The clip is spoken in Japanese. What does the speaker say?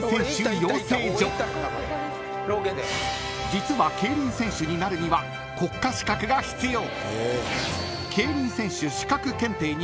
［実は競輪選手になるには国家資格が必要］